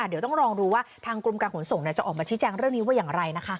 เดี๋ยวต้องลองดูว่าทางกรมการขนส่งจะออกมาชี้แจงเรื่องนี้ว่าอย่างไรนะคะ